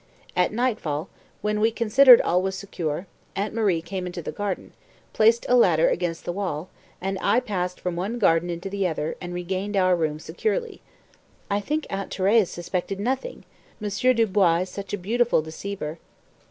At nightfall, when we considered all was secure, Aunt Marie came into the garden, placed a ladder against the wall, and I passed from one garden into the other and regained our room securely. I think Aunt Thérèse suspected nothing Monsieur Dubois is such a beautiful deceiver."